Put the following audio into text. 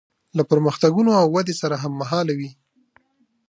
له پرمختګونو او ودې سره هممهاله وي.